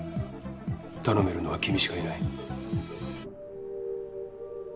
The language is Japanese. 頼めるのは君しかいない。